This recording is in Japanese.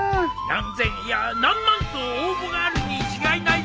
何千いや何万と応募があるに違いないぞ。